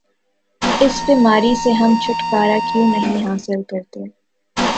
اس بیماری سے ہم چھٹکارا کیوں نہیں حاصل کرتے؟